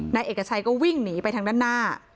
นายเอกชัยก็วิ่งหนีไปทางด้านหน้า